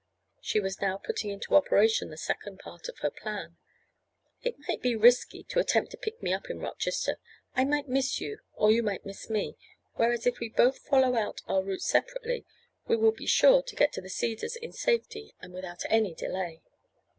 She was now putting into operation the second part of her plan. "It might be risky to attempt to pick me up in Rochester. I might miss you or you might miss me, whereas if we both follow out our route separately we will be sure to get to the Cedars in safety and without any delay."